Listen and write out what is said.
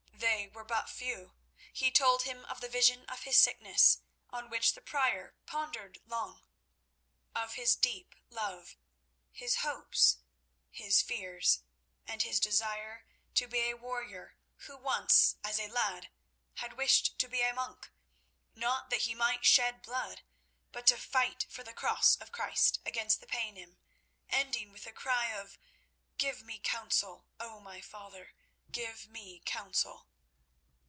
They were but few. He told him of the vision of his sickness, on which the Prior pondered long; of his deep love, his hopes, his fears, and his desire to be a warrior who once, as a lad, had wished to be a monk, not that he might shed blood, but to fight for the Cross of Christ against the Paynim, ending with a cry of— "Give me counsel, O my father. Give me counsel."